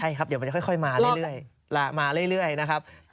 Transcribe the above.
ใช่ครับเดี๋ยวมันจะค่อยมาเรื่อยนะครับ